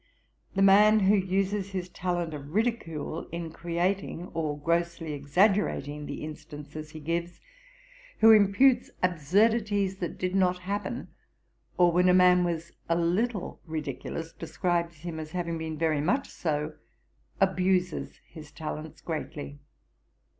'The man who uses his talent of ridicule in creating or grossly exaggerating the instances he gives, who imputes absurdities that did not happen, or when a man was a little ridiculous describes him as having been very much so, abuses his talents greatly.